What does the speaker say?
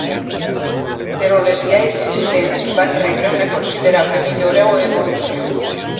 Però les ja existents van rebre una considerable millora o evolució.